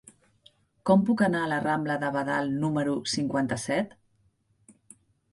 Com puc anar a la rambla de Badal número cinquanta-set?